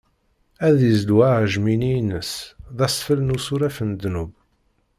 Ad izlu aɛejmi-nni ines, d asfel n usuref n ddnub.